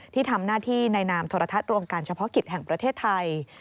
ที่ทำหน้าที่ในนามโทรทัศน์รวมการเฉพาะกิจแห่งประเทศไทย